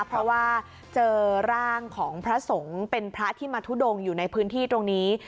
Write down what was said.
เพราะว่าเจอร่างของพระสงฆ์เป็นพระที่มาทุดงอยู่ในพื้นที่ตรงนี้